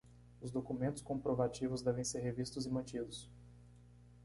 Os documentos comprovativos devem ser revistos e mantidos